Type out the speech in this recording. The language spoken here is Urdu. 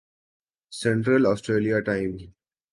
central Australia time